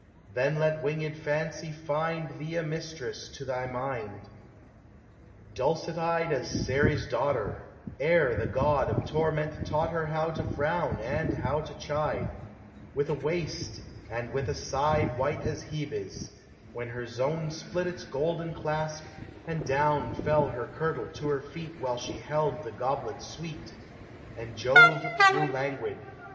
Let then winged Fancy find Thee a mistress to thy mind : Dulcet eyed as Ceres' daughter, Ere the god of torment taught her How to frown and how to chide ; With a waist and with a side 12 POEMS OF FANCY. White as Hebe's, when her zone Split its golden clasp, and down Fell her kirtle to her feet While she held the goblet sweet, And Jove grew languid.